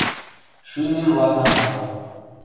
– Шӱмем ладна агыл.